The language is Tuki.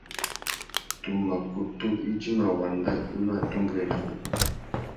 Tu mà kutu idjima wanda i nú atumbéwénamú.